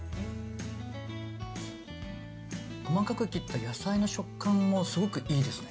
◆細かく切った野菜の食感もすごくいいです。